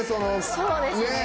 そうですね。